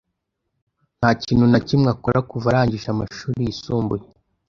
Nta kintu na kimwe akora kuva arangije amashuri yisumbuye.